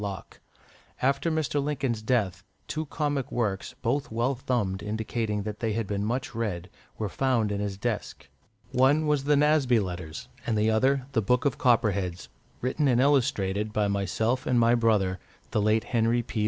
Locke. After Mr. Lincoln's death, two comic works, both well thumbed, indicating that they had been much read, were found in his desk. One was the "Nasby Letters," and the other "The Book of Copperheads," written and illustrated by myself and my brother, the late Henry P.